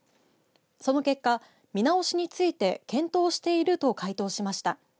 その結果、見直しについて検討していると回答しました。